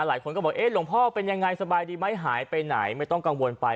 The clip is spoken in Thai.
หลายคนก็บอกเอ๊ะหลวงพ่อเป็นยังไงสบายดีไหมหายไปไหนไม่ต้องกังวลไป